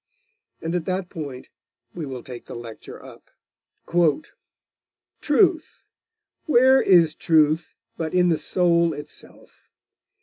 And at that point we will take the lecture up. ............... 'Truth? Where is truth but in the soul itself?